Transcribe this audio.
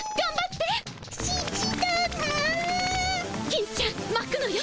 金ちゃんまくのよ。